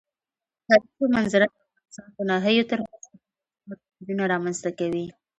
د کلیزو منظره د افغانستان د ناحیو ترمنځ تفاوتونه او توپیرونه رامنځ ته کوي.